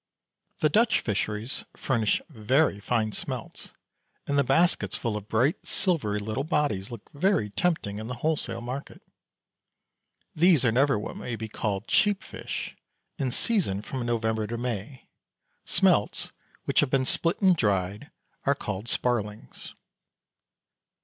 The Dutch fisheries furnish very fine smelts, and the baskets full of bright silvery little bodies look very tempting in the wholesale market. These are never what may be called cheap fish. In season from November to May. Smelts which have been split and dried are called sparlings.